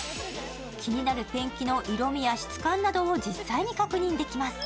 気になるペンキの色味や質感などを実際に確認できます。